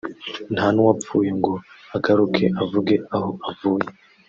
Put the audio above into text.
ntanuwapfuye ngo agaruke avuge aho avuye